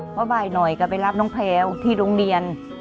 เพราะบ่ายหน่อยก็ไปรับน้องแพลวที่โรงเรียน